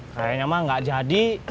kayaknya mah nggak jadi